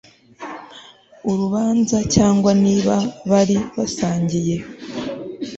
urubanza cyangwa niba bari basangiye